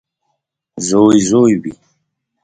• زوی زوی وي.